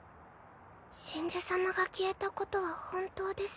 神樹様が消えたことは本当です。